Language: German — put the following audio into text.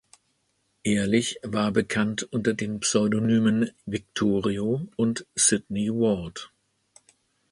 Ehrlich war bekannt unter den Pseudonymen "Victorio" und "Sydney Ward".